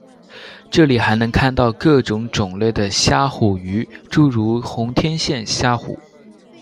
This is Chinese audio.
这里还能看到各种种类的虾虎鱼诸如红天线虾虎。